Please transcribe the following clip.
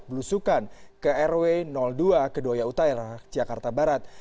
belusukan ke rw dua kedoya utara jakarta barat